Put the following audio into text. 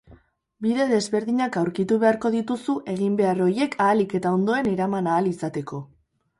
Bide desberdinak aurkitu beharko dituzu eginbehar horiek ahalik eta ondoen eraman ahal izateko.